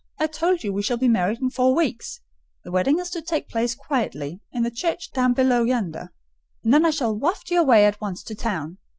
I told you we shall be married in four weeks. The wedding is to take place quietly, in the church down below yonder; and then I shall waft you away at once to town.